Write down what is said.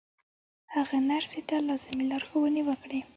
هغه نرسې ته لازمې لارښوونې وکړې